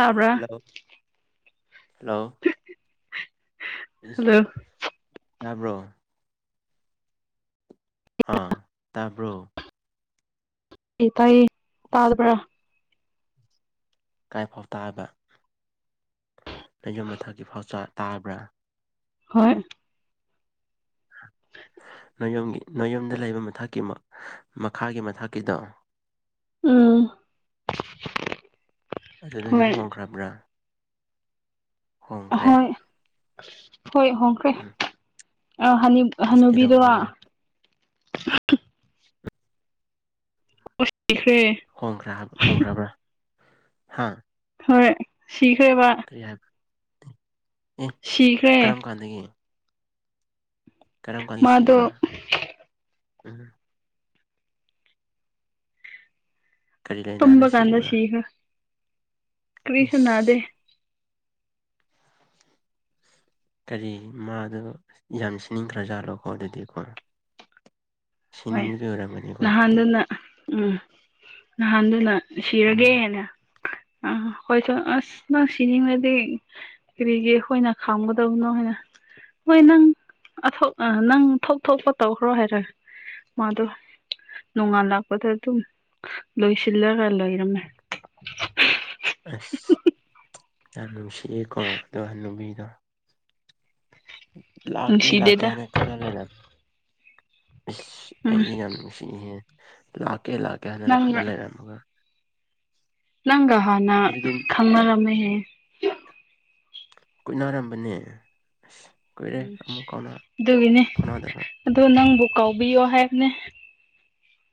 ꯇꯥꯕ꯭ꯔꯥ hello hello hello ꯅ꯭ꯔꯣ ꯑꯥ ꯇꯥꯕ꯭ꯔꯣ ꯏ ꯇꯏ ꯇꯥꯗꯕꯔ ꯀꯥꯏ ꯐꯥꯎ ꯇꯥꯕ ꯂꯩꯌꯨꯝ ꯃꯊꯛꯀꯤ ꯐꯥꯎ ꯇꯥꯕ꯭ꯔꯥ ꯍꯣꯏ ꯑꯣ ꯅꯣꯡꯣꯌꯌꯣꯝꯒꯤ ꯅꯣꯌꯝꯗ ꯂꯩꯕ ꯃꯊꯥꯛꯀꯤ ꯑꯃ ꯃꯈꯥꯒꯤ ꯃꯊꯛꯀꯤꯗꯣ ꯎꯝ ꯑꯗꯨꯗ ꯍꯣꯏ ꯌꯨꯝ ꯍꯣꯡꯈ꯭ꯔꯕ꯭ꯔꯥ ꯍꯣꯡꯈ꯭ꯔꯦ ꯍꯣꯏ ꯍꯣꯏ ꯍꯣꯏ ꯎꯝ [unintelligible] ꯑ ꯑꯁ ꯍꯅꯨꯕꯤꯗꯨ ꯀꯩꯗꯧꯕꯒꯤꯔ ꯄꯁꯤꯈ꯭ꯔꯦ ꯍꯣꯡꯒ꯭ꯔꯥ ꯍꯥꯏꯕ ꯍꯣꯡꯈ꯭ꯔꯕ꯭ꯔꯥ ꯍꯥꯥ ꯍꯣꯏ ꯁꯤꯈ꯭ꯔꯦꯕ ꯀꯔꯤ ꯍꯥꯏꯕ ꯑꯦ ꯁꯤꯈ꯭ꯔꯦ ꯀꯔꯝ ꯀꯥꯟꯗꯒꯤ ꯀꯔꯝ ꯃꯥꯗꯣ ꯀꯥꯂꯤꯁꯤꯕ ꯎꯝ ꯀꯔꯤ ꯂꯥꯏꯅꯥꯅ ꯇꯨꯝꯕ ꯀꯥꯟꯗ ꯁꯤꯕ꯭ꯔꯥ ꯁꯤꯈ ꯀ꯭ꯔꯤꯁꯟꯅꯥꯗꯦ ꯏꯁ ꯀꯔꯤ ꯃꯥꯗꯣ ꯌꯥꯝꯁꯤꯅꯤꯡꯈ꯭ꯔꯖꯥꯠꯂꯣꯀꯣ ꯑꯗꯨꯗꯤꯀꯣ ꯍꯣꯏ ꯁꯅꯤꯒ ꯑꯣꯔ ꯃꯅꯤ ꯀꯊꯗꯤ ꯅꯍꯥꯟꯗꯨꯅ ꯎꯝ ꯅꯍꯥꯟꯗꯨꯅ ꯎꯝ ꯁꯤꯔꯒꯦꯅ ꯑ ꯍꯣꯏꯁꯨ ꯑꯁ ꯅꯪ ꯁꯤꯅꯤꯡꯉꯗꯤ ꯀꯔꯤꯒꯤ ꯑꯩꯈꯣꯏꯅ ꯈꯥꯝꯒꯗꯕꯅꯣ ꯍꯥꯏꯅ ꯍꯣꯏ ꯅꯪꯊ ꯅꯪ ꯊꯣꯛ ꯊꯣꯛꯄ ꯇꯧꯈ꯭ꯔꯣ ꯍꯥꯏꯔꯒꯦ ꯃꯥꯗꯣ ꯅꯣꯡꯉꯥꯜꯂꯛꯄꯗ ꯑꯗꯨꯝ ꯂꯣꯏꯁꯤꯜꯂꯒ ꯂꯩꯏꯔꯝꯃꯦ ꯑꯁ ꯌꯥꯝ ꯅꯨꯡꯁꯤꯑꯀꯣ ꯑꯣ ꯍ ꯅꯨꯨꯕꯤꯗꯣ ꯂꯥꯛꯀꯦ ꯂꯥꯛꯀꯦ ꯅꯨꯡꯁꯤꯗꯦꯗ ꯍꯥꯏꯅ ꯈꯜꯍꯜꯂꯦꯗ ꯏꯁꯁ ꯎꯝ ꯑꯩꯗꯤ ꯌꯥꯝ ꯅꯨꯡ ꯁꯤꯍꯦ ꯂꯥꯛꯀꯦ ꯂꯥꯛꯀꯦ ꯍꯥꯏꯗꯅ ꯅꯪꯒ ꯈꯜꯂ ꯂꯩꯔꯝꯃꯒ ꯅꯪꯒ ꯍꯥꯟꯅ ꯑꯗꯨꯗꯤ ꯈꯪꯅꯔꯝꯃꯦꯍꯦ ꯀꯨꯠꯅꯔꯝꯕꯅꯦ ꯑꯁ ꯎ ꯗꯨꯒꯤꯅꯤ ꯐꯥꯎꯅꯗꯕ ꯑꯗꯣ ꯅꯪꯕꯨ ꯀꯥꯎꯕꯤꯌꯣ ꯍꯥꯏꯕꯅꯦ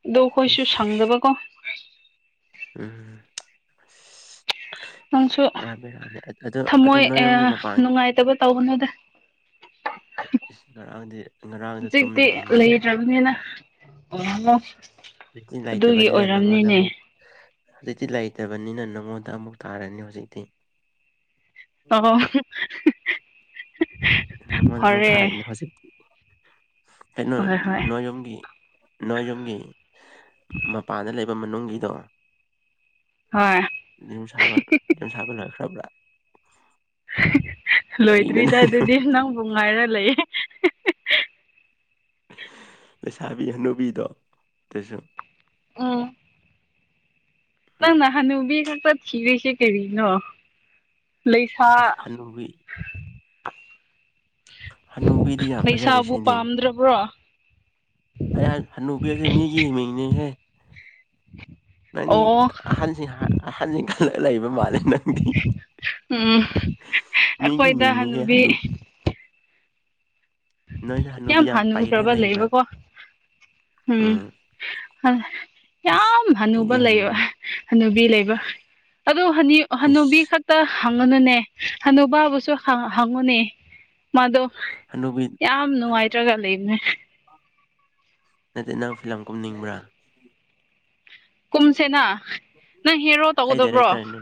ꯑꯗꯣ ꯑꯩꯈꯣꯏꯁꯨ ꯏꯁ ꯁꯪꯗꯕꯀꯣ ꯎꯝ ꯅꯪꯁꯨ ꯄꯨꯔꯥ ꯕꯦꯔꯥꯅꯦ ꯑꯗꯣ ꯑꯗꯨ ꯊꯝꯃꯣꯏ ꯅꯣꯏꯌꯨꯝꯒꯤ ꯃꯄꯥꯟꯒꯤ ꯅꯨꯡꯉꯥꯏꯇꯕ ꯇꯧꯅꯨꯗ ꯏꯁ ꯉꯔꯥꯡꯗꯤ ꯉꯔꯥꯡꯗ ꯇꯨꯝꯗ꯭ꯔꯦꯅꯦ ꯇ꯭ꯔꯅꯤꯅ ꯑꯣ ꯍꯨꯖꯤꯛ ꯂꯩꯇꯕꯅꯤꯅ ꯅꯪꯉꯣꯟꯗ ꯑꯃꯨꯛ ꯍꯧꯖꯤꯛꯇꯤ ꯂꯩꯇꯕꯅꯤꯅ ꯅꯪꯉꯣꯟꯗ ꯑꯃꯨꯛ ꯇꯥꯔꯅꯤ ꯍꯧꯖꯤꯛꯇꯤ ꯑꯣ ꯅꯪꯉꯣꯟꯗ ꯑꯃꯨꯛ ꯐꯔꯦ ꯊꯥꯔꯤꯅꯦ ꯍꯧꯖꯤꯛꯇꯤ ꯀꯩꯅꯣ ꯍꯣꯏ ꯍꯣꯏ ꯅꯣꯏ ꯌꯨꯝꯒꯤ ꯅꯣꯏ ꯌꯨꯝꯒꯤ ꯃꯄꯥꯟꯗ ꯂꯩꯕ ꯃꯅꯨꯡꯒꯤꯗꯣ ꯍꯣꯏ ꯌꯨꯝ ꯌꯨꯝ ꯁꯥꯕ ꯂꯣꯏꯈ꯭ꯔꯥꯕ꯭ꯔꯥ ꯀꯔꯤꯅꯣ ꯂꯣꯏꯗ꯭ꯔꯤꯗ ꯑꯗꯨꯗꯤ ꯅꯪꯕꯨ ꯉꯥꯏꯔ ꯂꯩꯌꯦ ꯂꯩꯩꯁꯥꯕꯤ ꯍꯅꯨꯕꯤꯗꯣ ꯇꯩꯁꯨ ꯑꯝ ꯎꯝ ꯅꯪ ꯅ ꯍꯅꯨꯕꯤ ꯈꯛꯇ ꯊꯤꯔꯤꯁꯦ ꯀꯔꯤꯅꯣ ꯂꯩꯁꯥ ꯑꯁ ꯍꯅꯨꯕꯤ ꯍꯅꯨꯕꯤꯗꯤ ꯌꯥꯝꯐꯖꯔꯤ ꯂꯩꯁꯥꯕꯨ ꯁꯤꯗꯤ ꯄꯥꯝꯗ꯭ꯔꯕ꯭ꯔꯣ ꯑꯩꯍꯥꯏ ꯍꯅꯨꯕꯤ ꯍꯥꯏꯖꯦ ꯃꯤꯒꯤ ꯃꯤꯡꯅꯤꯍꯦ ꯅꯪꯗꯤ ꯑꯣ ꯑꯍꯟ ꯑꯍꯟꯁꯤꯡ ꯈꯜꯂ ꯂꯩꯕ ꯃꯥꯜꯂꯤ ꯅꯪ ꯎꯝ ꯃꯤꯒꯤ ꯑꯈꯣꯏꯗ ꯃꯤꯡꯅꯤꯍꯦ ꯍꯅꯨꯕꯤ ꯅꯣꯏꯗ ꯍꯅꯨꯕꯤ ꯌꯥꯝ ꯄꯩꯔꯒ ꯍꯥꯟꯅꯨꯗꯕ ꯂꯩꯕ꯭ꯔꯥ ꯂꯩꯕꯀꯣ ꯎꯝ ꯏꯁ ꯌꯥꯝ ꯑꯩꯗꯤ ꯍꯅꯨꯕ ꯍꯅꯨ ꯂꯩꯕ ꯍꯅꯨꯕꯤ ꯂꯩꯕ ꯑꯗꯨ ꯍꯅꯨꯕꯤ ꯏꯁ ꯈꯛ ꯇ ꯍꯪꯉꯨꯅꯨꯅꯦ ꯍꯅꯨꯕꯥꯕꯨꯁꯨ ꯍꯪꯉꯨꯅꯦ ꯃꯥꯗꯣ ꯍꯅꯨꯕꯤ ꯌꯥꯝ ꯅꯨꯡꯉꯥꯏꯇ꯭ꯔꯒ ꯂꯩꯕꯅꯦ ꯅꯠꯇꯦ ꯅꯪ ꯐꯤꯂꯝ ꯀꯨꯝꯅꯤꯡꯕ꯭ꯔꯥ ꯀꯨꯝꯁꯦꯅ ꯅꯪ ꯍꯦꯔꯣ ꯑꯩ ꯇꯧꯒꯗꯕ꯭ꯔꯣ ꯗꯥꯏꯔꯦꯛꯇꯔꯅꯦ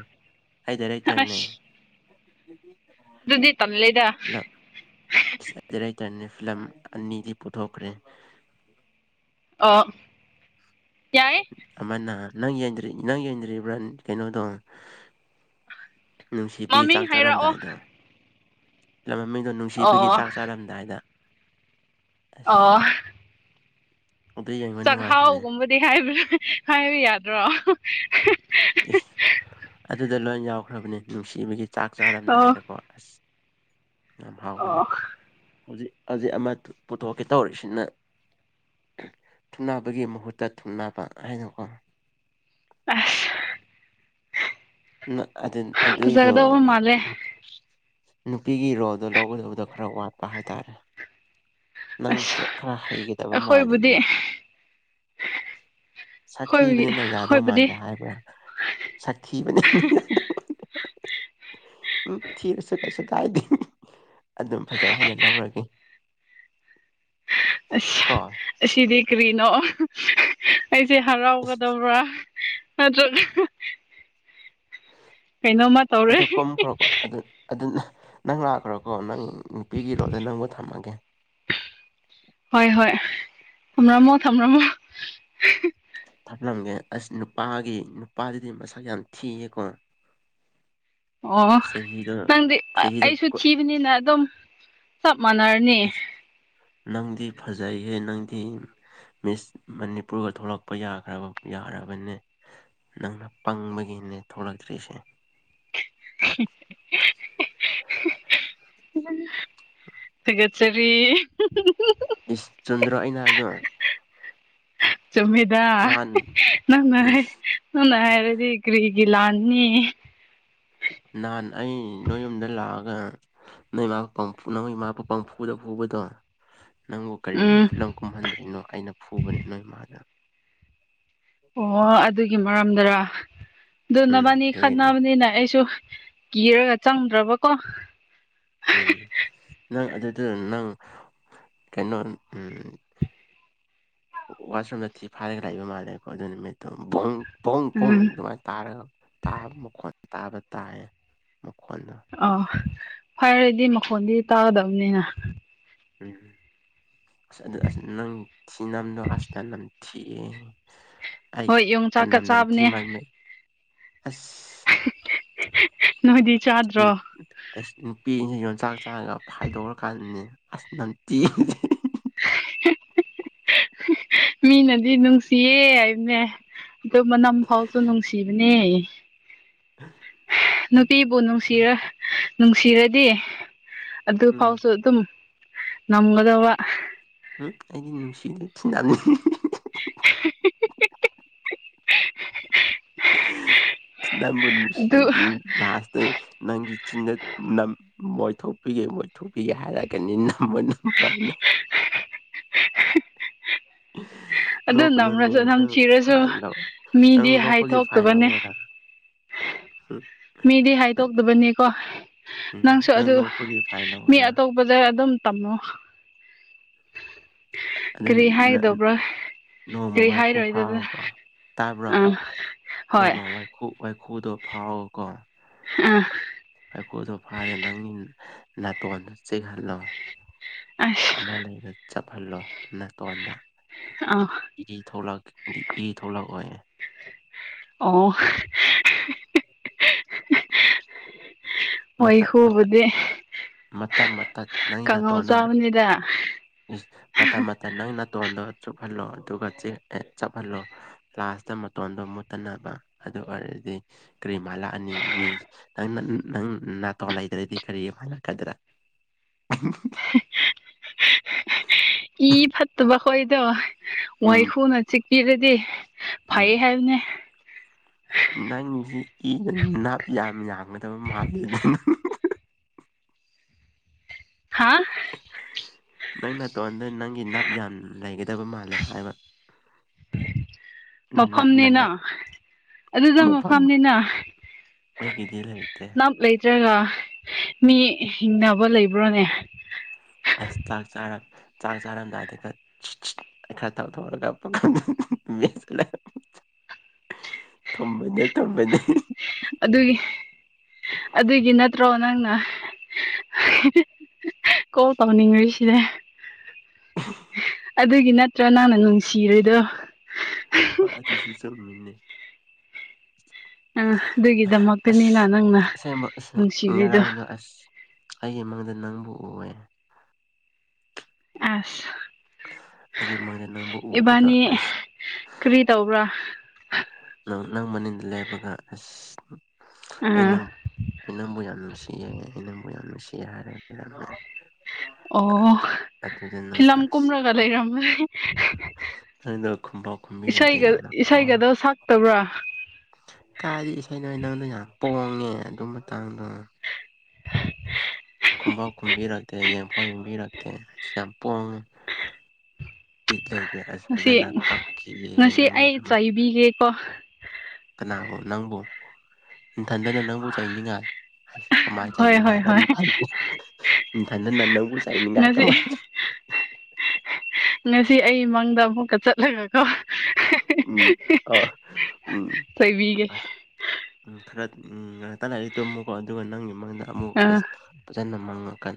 ꯑꯩ ꯗꯥꯏꯔꯦꯛꯇꯔꯅꯦ ꯑꯁ ꯐꯤꯂꯝ ꯑꯗꯨꯗꯤ ꯇꯜꯂꯦꯗ ꯗꯥꯏꯔꯦꯛꯇꯔꯅꯦ ꯐꯤꯂꯝ ꯑꯅꯤꯗꯤ ꯄꯨꯊꯣꯛꯈ꯭ꯔꯦ ꯑꯣ ꯌꯥꯏꯌꯦ ꯑꯃꯅ ꯅꯪ ꯅꯪ ꯌꯦꯡꯗ꯭ꯔꯤꯕ꯭ꯔꯥ ꯀꯩꯅꯣꯗꯣ ꯅꯨꯡꯁꯤꯕꯤ ꯃꯃꯤꯡ ꯆꯥꯛ ꯍꯥꯏꯔꯛꯑꯣ ꯆꯥꯔꯝꯗꯥꯏꯗꯣ ꯂꯝꯝꯃꯤꯡꯗꯨ ꯅꯨꯡꯁꯤꯕꯒꯤ ꯑꯣ ꯆꯥꯛ ꯆꯥꯔꯝꯗꯥꯏꯗ ꯑꯣ ꯑꯁ ꯑꯗꯨ ꯌꯦꯡꯕ ꯅꯨꯡꯉꯥꯏꯕꯅꯦ ꯆꯥꯛꯍꯥꯎꯒꯨꯝꯕꯗꯤ ꯍꯥꯏꯕ ꯍꯥꯏꯕ ꯌꯥꯗ꯭ꯔꯣ ꯏꯁ ꯑꯗꯨꯗ ꯂꯣꯏ ꯌꯥꯎꯈ꯭ꯔꯕꯅꯦ ꯅꯨꯡꯁꯤꯕꯒꯤ ꯆꯥꯛ ꯑꯣ ꯆꯥꯔꯝꯗꯥꯏꯗꯀꯣ ꯑꯁ ꯌꯥꯝ ꯍꯥꯎꯕꯅꯦ ꯑꯣ ꯍꯧꯖꯤꯛ ꯍꯧꯖꯤꯛ ꯑꯃ ꯄꯨꯊꯣꯛꯀꯦ ꯇꯧꯔꯤꯁꯤꯅ ꯊꯨꯡꯅꯕꯒꯤ ꯃꯍꯨꯠꯇ ꯊꯨꯡꯅꯕ ꯍꯥꯏꯅꯀꯣ ꯑꯥꯍ ꯅ ꯑꯗꯨꯟ ꯑꯗꯨꯏꯗꯣ ꯐꯖꯒꯗꯧꯕ ꯃꯥꯜꯂꯦ ꯅꯨꯄꯤꯒꯤ ꯔꯣꯜꯗꯣ ꯂꯧꯒꯗꯕꯗꯣ ꯈꯔ ꯋꯥꯠꯄ ꯍꯥꯏꯇꯥꯔꯦ ꯅꯪ ꯑꯁ ꯈꯦꯠ ꯈꯔ ꯍꯩꯒꯗꯕ ꯑꯩꯈꯣꯏꯕꯨꯗꯤ ꯃꯥꯜꯂꯤꯅꯦ ꯑꯩꯈꯣꯏꯒꯤ ꯁꯠꯊꯤꯕꯅꯤꯅ ꯌꯥꯗꯧ ꯑꯩꯈꯣꯏꯕꯨꯗꯤ ꯃꯥꯟꯗꯦ ꯍꯥꯏꯕ꯭ꯔꯥ ꯁꯠꯊꯤꯕꯅꯤꯅ ꯎꯝ ꯊꯤꯔꯁꯨ ꯀꯩꯏꯁꯨ ꯀꯥꯏꯗꯦ ꯑꯗꯨꯝ ꯐꯖꯩ ꯍꯥꯏꯅ ꯂꯧꯔꯒꯦ ꯑꯁ ꯀꯣ ꯑꯁꯤꯗꯤ ꯀꯔꯤꯅꯣ ꯑꯩꯁꯦ ꯍꯔꯥꯎꯒꯗꯧꯕ꯭ꯔꯥ ꯑꯗꯨꯒ [inaudible] ꯇꯧꯔꯦ ꯑꯗꯨ ꯀꯨꯝꯈ꯭ꯔꯣꯀꯣ ꯑꯗꯨ ꯑꯗꯨ ꯅꯪ ꯂꯥꯛꯈ꯭ꯔꯣꯀꯣ ꯅꯪ ꯅꯨꯄꯤꯒꯤꯔꯣꯗ ꯅꯪꯕꯨ ꯊꯝꯃꯒꯦ ꯍꯣꯏ ꯍꯣꯏ ꯊꯝꯔꯝꯃꯣ ꯊꯝꯔꯝꯃꯣ ꯊꯞꯂꯝꯒꯦ ꯑꯁ ꯅꯨꯄꯥꯒꯤ ꯅꯨꯄꯥꯗꯨꯗꯤ ꯃꯁꯛ ꯌꯥꯝ ꯊꯤꯌꯦꯀꯣ [inaudible] ꯑꯣ ꯆꯍꯤꯗꯣ ꯅꯪꯗꯤ ꯆꯍꯤꯗꯣ ꯑꯩꯁꯨ ꯀꯨ ꯊꯤꯕꯅꯤꯅ ꯑꯗꯨꯝ ꯆꯞ ꯃꯥꯟꯅꯔ ꯑꯁ ꯅꯪꯗꯤ ꯐꯖꯩꯍꯦ ꯅꯪꯗꯤ ꯃꯤꯁ ꯃꯅꯤꯄꯨꯔꯒ ꯊꯣꯔꯛꯄ ꯌꯥꯈ꯭ꯔꯕ ꯌꯥꯔꯕꯅꯦ ꯅꯪꯅ ꯄꯪꯕꯒꯤꯅꯦ ꯊꯣꯛꯔꯛꯇ꯭ꯔꯤꯁꯦ [unintelligible] ꯊꯒꯠꯆꯔꯤ ꯏꯁ ꯆꯝꯗ꯭ꯔꯣ ꯑꯩꯅ ꯍꯥꯏꯕꯗꯣ ꯆꯨꯝꯃꯤꯗ ꯅꯍꯥꯟ ꯅꯪꯅ ꯏꯁ ꯅꯪꯅ ꯍꯥꯏꯔꯗꯤ ꯀꯔꯤꯒꯤ ꯂꯥꯟꯅꯤ ꯅꯍꯥꯟ ꯑꯩ ꯅꯣꯏ ꯌꯨꯝꯗ ꯂꯥꯛꯑꯒ ꯅꯣꯏ ꯃꯥ ꯄꯪꯐꯨꯅ ꯅꯣꯏ ꯃꯥ ꯄꯪꯐꯨꯗ ꯐꯨꯕꯗꯣ ꯅꯪꯕꯨ ꯀꯔꯤꯒꯤ ꯎꯝ ꯐꯤꯂꯝ ꯀꯨꯝꯍꯟꯗ꯭ꯔꯤꯅꯣ ꯑꯩꯅ ꯐꯨꯕꯅꯤ ꯅꯣꯏ ꯏꯃꯥꯗ ꯑꯣ ꯑꯗꯨꯒꯤ ꯃꯔꯝꯗꯔ ꯑꯗꯨ ꯎꯝ ꯅꯕꯅꯤ ꯑꯗꯨꯒꯤꯅꯤ ꯈꯠꯅꯕꯅꯤꯅ ꯑꯩꯁꯨ ꯀꯤꯔꯒ ꯆꯪꯗ꯭ꯔꯕꯀꯣ ꯎꯝ ꯅꯪ ꯑꯗꯨꯗ ꯅꯪ ꯀꯩꯅꯣ ꯎꯝ ꯋꯥꯁꯔꯨꯝꯗ ꯊꯤ ꯐꯥꯔꯒ ꯂꯩꯥꯕ ꯃꯥꯜꯂꯦꯀꯣ ꯑꯗꯨ ꯅꯨꯃꯤꯠꯇꯣ ꯕꯣꯡ ꯄꯣꯡ ꯄꯣꯡ ꯎꯝ ꯑꯗꯨꯃꯥꯏꯅ ꯇꯥꯔꯒꯥ ꯃꯈꯣꯟ ꯇꯥꯕ ꯇꯥꯏꯌꯦ ꯃꯈꯣꯟꯗꯣ ꯑꯣ ꯐꯥꯏꯔꯥꯗꯤ ꯃꯈꯣꯟꯗꯤ ꯇꯥꯒꯗꯕꯅꯤꯅ ꯎꯝ ꯑꯁ ꯑꯗꯨ ꯑꯁ ꯅꯪ ꯊꯤ ꯅꯝꯗꯣ ꯑꯁꯇ ꯅꯝꯊꯤ ꯑꯦ ꯍꯣꯏ ꯑꯩ ꯌꯣꯡꯆꯥꯛꯀ ꯃꯝ ꯅꯝ ꯊꯤ ꯆꯥꯕꯅꯦ ꯃꯥꯡꯅ ꯑꯁ ꯅꯣꯏꯗꯤ ꯎꯝ ꯆꯥꯗ꯭ꯔꯣ ꯅꯨꯄꯤꯖꯔꯡꯁꯤ ꯌꯣꯟꯆꯥꯛ ꯆꯥꯛꯔꯒ ꯐꯥꯏꯗꯣꯛꯔꯀꯥꯟꯗꯅꯦ ꯑꯁ ꯅꯝꯇꯤꯗꯤ [unintelligible] ꯃꯤꯅꯗꯤ ꯅꯨꯡꯁꯤꯌꯦ ꯍꯥꯏꯕꯅꯦ ꯑꯗꯨ ꯃꯅꯝ ꯐꯥꯎꯁꯨ ꯅꯨꯡꯁꯤꯕꯅꯦ ꯎꯝ ꯅꯨꯄꯤꯕꯨ ꯅꯨꯡꯁꯤꯔ ꯅꯨꯡꯁꯤꯔꯗꯤ ꯎꯝ ꯑꯗꯨꯐꯥꯎꯁꯨ ꯑꯗꯨꯝ ꯉꯝꯒꯗꯕ ꯎꯝ ꯑꯩꯗꯤ ꯅꯨꯁꯤꯗꯦ ꯊꯤꯅꯝꯅꯤ [unintelligible] ꯅꯪꯕꯨ ꯑꯗꯨ ꯅꯨꯡꯁꯤꯔꯗꯤ ꯂꯥꯁꯇ ꯅꯪꯒꯤ ꯆꯤꯟꯗ ꯅꯝ ꯃꯣꯏ ꯊꯣꯛꯄꯤꯒꯦ ꯃꯣꯏ ꯊꯣꯛꯄꯤꯒꯦ ꯍꯥꯏꯔꯛꯒꯅꯤ ꯅꯝꯃꯣ ꯅꯝꯃꯣ ꯍꯥꯏꯅ [inaudible] ꯑꯗꯨ ꯅꯣꯛꯅꯨꯅꯦ ꯅꯝꯔꯁꯨ ꯅꯪ ꯅꯝꯊꯤꯔꯁꯨ ꯐꯥꯏꯟ ꯂꯧ ꯅꯪ ꯃꯤꯗꯤ ꯅꯣꯛꯄꯒꯤ ꯐꯥꯏꯟ ꯍꯥꯏꯊꯣꯛꯇꯕꯅꯦ ꯂꯧꯋꯣꯔ [inaudible] ꯃꯤꯗꯤ ꯍꯥꯏꯗꯣꯛꯇꯕꯅꯤꯀꯣ ꯎꯝ ꯅꯪꯁꯨ ꯅꯪ ꯑꯗꯨ ꯅꯣꯛꯄꯒꯤ ꯐꯥꯏꯟ ꯃꯤ ꯂꯧꯒꯦꯔꯥ ꯑꯇꯣꯞ ꯗ ꯑꯗꯨꯝ ꯇꯝꯃꯣ ꯑꯗꯨ ꯀꯔꯤ ꯍꯥꯏꯒꯗꯧꯕ꯭ꯔꯥ [unintelligible] ꯅꯣꯡꯃ ꯀꯔꯤ ꯋꯥꯏ ꯈꯨ ꯍꯥꯏꯔꯣꯏꯗꯕ ꯐꯥꯕꯀꯣ ꯇꯥꯕ꯭ꯔꯣ ꯑꯥ ꯍꯣꯏ ꯅꯣꯡꯃ ꯋꯥꯏ ꯈꯨꯋꯥꯏꯈꯨꯗꯣ ꯐꯥꯎꯋꯣ ꯀꯣ ꯑꯥ ꯋꯥꯏꯈꯨꯗꯣ ꯐꯥꯔꯦ ꯅꯪꯒꯤ ꯅꯥꯇꯣꯟꯗꯣ ꯆꯦꯛꯍꯜꯂꯣ ꯑꯁ ꯑꯃ ꯂꯩꯅ ꯆꯞꯍꯜꯂꯣ ꯅꯇꯣꯟꯗ ꯑꯥ ꯏ ꯊꯣꯛꯂꯛꯗꯤ ꯏ ꯊꯣꯛꯂꯛꯑꯣꯌꯦ ꯑꯣ ꯃꯇꯠ ꯃꯇꯠ ꯋꯥꯏꯈꯨꯕꯨꯗꯤ ꯃꯇꯠ ꯃꯇꯠ ꯅꯪꯩꯅ ꯀꯥꯡꯉꯧ ꯇꯣꯟ ꯆꯥꯕꯅꯤꯗ ꯏꯁ ꯃꯇꯝ ꯑ ꯅꯪ ꯅꯥꯇꯣꯟꯗꯣ ꯆꯨꯞꯍꯜꯂꯣ ꯑꯗꯨꯒ ꯆ ꯑꯦ ꯆꯞꯍꯜꯂꯣ ꯂꯥꯁꯇ ꯃꯇꯣꯟꯗꯣ ꯃꯨꯠꯇꯅꯕ ꯑꯗꯨ ꯑꯣꯏꯔꯗꯤ ꯀꯔꯤꯃꯜꯂꯥꯛꯑꯅꯤ ꯃꯤ ꯅꯪ ꯅꯪ ꯅꯥꯇꯣꯟ ꯂꯩꯇ꯭ꯔꯗꯤ ꯀꯔꯤ ꯍꯥꯏꯔꯛꯀꯗ꯭ꯔꯥ ꯀ ꯐꯠꯇꯕ ꯑꯩꯈꯣꯏꯗꯣ ꯎꯝ ꯋꯥꯩꯈꯨꯅ ꯆꯤꯛꯄꯤꯔꯗꯤ ꯎꯝ ꯐꯩ ꯍꯥꯏꯕꯅꯦ ꯅꯪꯁꯤ ꯏꯗ ꯅꯥꯞ ꯌꯥꯝ ꯌꯥꯡꯒꯗꯕ ꯃꯥꯜꯂꯦ ꯑꯗꯨꯪ ꯍꯥꯥ ꯅꯪ ꯅ ꯇꯣꯟꯗ ꯅꯪꯒꯤ ꯅꯥꯞ ꯌꯥꯝ ꯂꯩꯒꯗꯕ ꯃꯥꯜꯂꯦ ꯍꯥꯏꯕ ꯅꯅꯥꯞ ꯃꯐꯝꯅꯤꯅ ꯅꯅꯥꯞ ꯑꯗꯨꯗ ꯃꯐꯝꯅꯤꯅ ꯃꯣꯏꯒꯗ ꯂꯩꯥꯏꯇꯦ ꯅꯞ ꯂꯩꯇ꯭ꯔꯒ ꯃꯤ ꯍꯤꯡꯅꯕ ꯂꯩꯕ꯭ꯔꯣꯅꯦ ꯑꯁ ꯆꯥꯛ ꯆꯥꯔꯝ ꯆꯥꯛ ꯆꯥꯔꯝꯗꯥꯏꯗꯒ ꯈꯔ ꯇꯧꯊꯣꯛ ꯑꯒ ꯃꯦꯠꯁꯟꯂꯒꯥ ꯊꯨꯝꯕꯅꯦ ꯊꯨꯝꯕꯅꯦ ꯑꯗꯨꯒꯤ ꯑꯗꯨꯒꯤ ꯅꯠꯇ꯭ꯔꯣ ꯅꯪꯅ ꯀꯣꯜ ꯇꯧꯅꯤꯡꯉꯔꯤꯁꯤꯅꯦ [unintelligible] ꯑꯗꯨꯒꯤ ꯅꯠꯇ꯭ꯔꯣ ꯅꯪꯅ ꯅꯨꯡꯁꯤꯔꯤꯗꯣ ꯍꯣꯏ ꯑꯗꯨꯁꯨ ꯆꯨꯝꯃꯤꯅꯦ ꯑꯥ ꯑꯗꯨꯒꯤꯗꯃꯛꯇꯅꯤꯅ ꯑꯁ ꯅꯪꯅ ꯑꯁꯦꯡꯕ ꯑꯁ ꯅꯨꯡꯁꯤꯕꯤꯗꯣ ꯉꯔꯥꯡꯅꯥ ꯑꯩꯒꯤ ꯃꯪꯗ ꯅꯪꯕꯨ ꯎꯑꯦ ꯑꯁ ꯑꯩꯒꯤ ꯃꯪꯗ ꯅꯪꯕꯨ ꯎꯕꯗꯣ ꯏꯕꯥꯅꯤ ꯑꯁ ꯀꯔꯤ ꯇꯧꯕ꯭ꯔꯥ ꯅꯪ ꯃꯅꯤꯡꯗ ꯂꯦꯞꯄꯒ ꯑꯁ ꯑꯥ ꯑꯩꯅꯪ ꯑꯩ ꯅꯪꯕꯨ ꯌꯥꯝ ꯅꯨꯡꯁꯤꯌꯦ ꯑꯩ ꯅꯪꯕꯨ ꯌꯥꯝ ꯅꯨꯡꯁꯤꯌꯦ ꯍꯥꯏꯔꯦꯗꯤ ꯑꯣ ꯐꯤꯂꯝ ꯀꯨꯝꯔꯒ ꯂꯩꯔꯝꯃꯦ ꯅꯪꯗ ꯈꯨꯝꯐꯥꯎ ꯈꯨꯝꯕꯤꯔꯗꯤ ꯌꯥꯝꯅ ꯄꯥꯎ ꯇꯕ꯭ꯔꯥ ꯀꯥꯏꯗꯤ ꯏꯁꯩ ꯅꯣꯏ ꯅꯪꯗ ꯌꯥꯝ ꯄꯣꯡꯉꯦ ꯑꯗꯨ ꯃꯇꯥꯡꯗꯣ ꯈꯨꯝꯐꯥꯎ ꯈꯨꯝꯕꯤꯔꯛꯇꯦ ꯌꯦꯡꯐꯥꯎ ꯌꯦꯡꯕꯤꯔꯛꯇꯦ ꯌꯥꯝ ꯄꯣꯡꯉꯤ ꯄꯤꯠ ꯂꯩꯇꯦ ꯑꯁ ꯉꯁꯤ ꯐꯖꯅ ꯀꯞꯈꯤꯑꯦ ꯅꯪꯒꯤ ꯗꯃꯛ ꯕꯤꯒꯦꯀꯣ ꯀꯅꯥꯕꯨꯣ ꯅꯪꯕꯨ ꯏꯊꯟꯗꯅ ꯅꯪꯕꯨ ꯆꯩꯅꯤꯡꯉꯥꯏ ꯀꯃꯥꯏꯅ ꯍꯣꯏ ꯆꯥꯏꯅꯤꯡꯉꯥꯏ ꯍꯣꯏ ꯍꯣꯏ ꯏꯊꯥꯟ ꯇꯥꯅꯥ ꯅꯪꯕꯨ ꯆꯩꯅꯤꯡꯉꯥꯏ ꯉꯁꯤ ꯀꯃꯥꯏ ꯉꯁꯤ ꯑꯩ ꯃꯪꯗ ꯑꯃꯨꯛꯀ ꯆꯠꯂꯒꯀꯣ ꯎꯝ ꯑꯥ ꯎꯝ ꯆꯩꯕꯤꯒꯦ ꯑꯁ ꯎꯝ ꯈꯔꯥ ꯎꯝ ꯅꯇꯥ ꯂꯥꯏꯔꯤ ꯇꯣꯝꯃꯨꯀꯣ ꯑꯗꯨꯒ ꯅꯪꯒꯤ ꯃꯪꯗ ꯑꯃꯨꯛ ꯈꯔ ꯑꯥ ꯐꯖꯅ ꯃꯪꯉꯀꯟ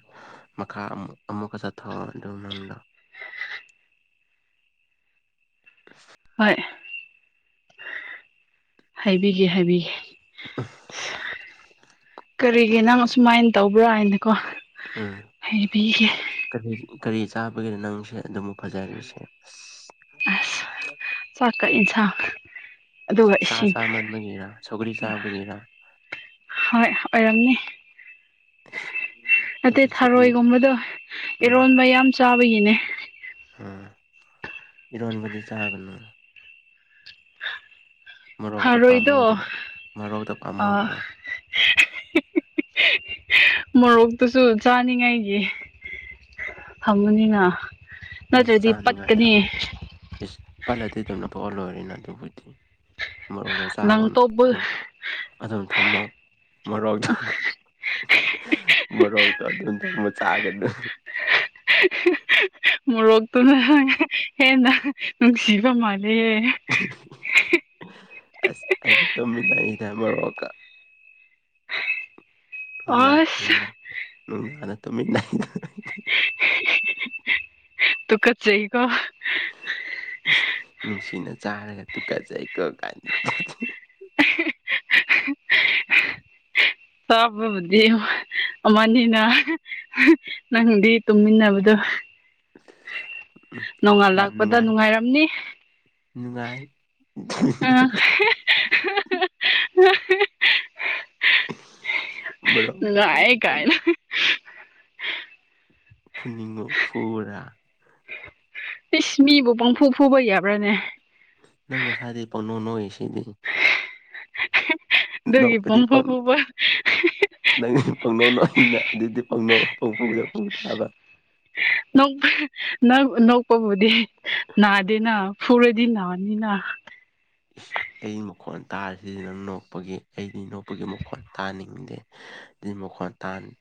ꯃꯈꯥ ꯑꯃꯨꯛ ꯑꯃꯨꯛꯀ ꯆꯠꯊꯣꯛꯑꯣ ꯑꯗꯨꯒ ꯅꯪꯗꯣ ꯀ [unintelligible] ꯍꯣꯏ ꯍꯥꯏꯕꯤꯒꯦ ꯍꯥꯏꯕꯤꯒ‌ꯦ [unintelligible] ꯀꯔꯤꯒꯤ ꯅꯪ ꯑꯁꯨꯃꯥꯏꯅ ꯇꯧꯕ꯭ꯔꯥ ꯍꯥꯏꯅꯀꯣ ꯎꯝ ꯍꯥꯏꯕꯤꯒꯦ ꯀꯔꯤ ꯀꯔꯤ ꯆꯥꯕꯒꯦ ꯅꯪꯁꯦ ꯑꯗꯨꯃꯨꯛ ꯐꯖꯔꯤꯁꯦ ꯑꯁ ꯑꯁ ꯆꯥꯛꯀ ꯏꯟꯁꯥꯡ ꯑꯗꯨꯒ ꯁꯥ ꯏꯁꯤꯡ ꯆꯥꯃꯟꯕꯒꯤꯔ ꯁꯧꯒ꯭ꯔꯤ ꯆꯥꯕꯒꯤꯔ ꯍꯣꯏ ꯑꯣꯏꯔꯝꯅꯤ ꯑꯁ ꯅꯠꯇꯦ ꯊꯔꯣꯏ ꯒꯨꯝꯕꯗꯣ ꯏꯔꯣꯟꯕ ꯌꯥꯝ ꯆꯥꯕꯒꯤꯅꯦ ꯑꯝ ꯏꯔꯣꯟ ꯕꯗꯤ ꯆꯥꯒꯅꯣ ꯃꯣꯔꯣꯛꯇꯣ ꯊꯔꯣꯏꯗꯣ ꯄꯥꯝꯃꯨꯗ꯭ꯔꯣ ꯃꯔꯣꯛꯇꯣ ꯑꯥ ꯄꯥꯝꯃꯨꯗ꯭ꯔꯣ ꯃꯣꯔꯣꯛꯇꯨꯁꯨ ꯆꯥꯅꯤꯡꯉꯥꯏꯒꯤ ꯍꯪꯃꯅꯤꯅ ꯏꯁ ꯅꯠꯇ꯭ꯔꯗꯤ ꯆꯥꯅꯤꯡꯉꯥꯏ ꯄꯠꯀꯅꯤ ꯊꯝꯃꯦ ꯏꯁ ꯄꯜꯂꯗꯤꯗꯨꯝ ꯂꯧꯊꯣꯛ ꯑ ꯂꯣꯏꯔꯣꯅ ꯑꯗꯨꯕꯨꯗꯤ ꯃꯣꯔꯣꯛꯗ ꯆꯥꯒꯅꯣ ꯂꯪꯇꯣꯞꯄ ꯑꯗꯨꯝ ꯑꯗꯨꯝ ꯊꯝꯃꯣ ꯃꯣꯔꯣꯛꯇꫭ ꯃꯣꯔꯣꯛꯇ ꯑꯗꯨꯝ ꯇꯝꯃꯥ ꯆꯥꯒꯅꯣ [unintelligible] ꯃꯣꯔꯣꯛꯇꯨꯅ ꯍꯦꯟꯅ ꯅꯨꯡꯁꯤꯕ ꯃꯥꯥꯟꯂꯤꯍꯦ ꯑꯁ ꯑꯩꯗꯤ ꯇꯨꯝꯃꯤꯟꯅ ꯑꯩꯅ ꯃꯔꯣꯛꯀ [unintelligible] ꯅꯨꯡꯗꯥ ꯑꯁ ꯅꯨꯡꯗꯥ ꯅꯨꯡꯗꯥꯅ ꯇꯨꯃꯤꯟꯅꯩ ꯇꯨ ꯒꯠꯆꯩꯀꯣ ꯏꯁ ꯅꯨꯡꯁꯤꯅ ꯆꯥꯔꯒ ꯇꯨꯀꯠꯆꯩ ꯀꯣ ꯀꯥꯏꯅ ꯆꯥꯕꯕꯨꯗꯤ ꯑꯃꯅꯤꯅꯥ ꯅꯪꯗꯤ ꯇꯨꯝꯃꯤꯟꯅꯕꯗꯨ ꯎꯝ ꯅꯣꯡꯉꯥꯜ ꯌꯥꯝ ꯂꯛꯄꯗ ꯅꯨꯡꯉꯥꯏ ꯅꯨꯡꯉꯥꯏꯔꯝꯅꯤ ꯅꯨꯡꯉꯥꯏ ꯑ ꯃꯔꯣꯛ ꯑꯃ ꯅꯨꯡꯉꯥꯏ ꯊꯝꯒꯗꯕ ꯀꯥꯏꯅ ꯐꯨꯅꯤꯡꯉ ꯐꯨꯔ ꯏꯁ ꯃꯤꯕꯨ ꯄꯪꯐꯨ ꯐꯨꯕ ꯌꯥꯕ꯭ꯔꯥꯅꯦ ꯅꯪ ꯉꯁꯥꯥꯏꯗꯩ ꯄꯪꯅꯣꯛ ꯅꯣꯛꯏ ꯁꯤꯗꯤ ꯑꯗꯨꯒꯤ ꯐꯪꯐꯨ ꯄꯪ ꯐꯨꯕ ꯅꯪ ꯄꯪꯅꯣꯛ ꯅꯣꯛꯏꯅ ꯑꯗꯨꯗꯤ ꯄꯪꯅꫭꯛ ꯄꯪꯐꯨꯗ ꯐꯨ ꯇꯥꯕ ꯅꯣꯛ ꯅꯣꯛꯄꯕꯨꯗꯤ ꯅꯥ ꯗꯤꯅ ꯐꯨꯔꯗꯤ ꯅꯥꯅꯤꯅ ꯏꯁ [unintelligible] ꯑꯩ ꯃꯈꯣꯟ ꯇꯥꯔꯤꯁꯤꯗꯤ ꯅꯪ ꯅꯣꯛꯄꯒꯤ ꯑꯩꯗꯤ ꯅꯣꯛꯄꯒꯤ ꯃꯈꯣꯟ ꯇꯥꯅꯤꯡꯗꯦ ꯑꯗꯨꯏ ꯃꯈꯣꯟ ꯇꯥꯟ